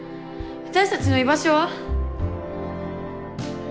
私たちの居場所は？